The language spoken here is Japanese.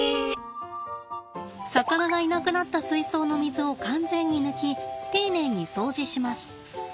魚がいなくなった水槽の水を完全に抜き丁寧に掃除します。